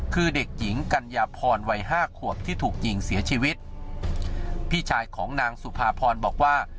คือเด็กหญิงกัญญาพรวัยห้าขวบที่ถูกยิงเสียชีวิตพี่ชายของนางสุภาพรบอกว่า